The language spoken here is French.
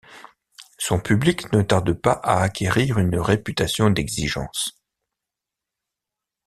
Son public ne tarde pas à acquérir une réputation d'exigence.